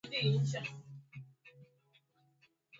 maziwa yanayohitajika ni kikombe kimoja